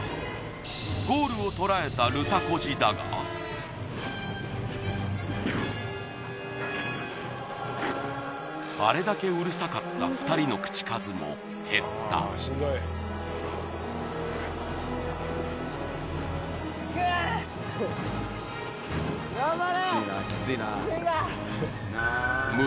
ゴールを捉えたるたこじだがあれだけうるさかった２人のクーッ頑張れ！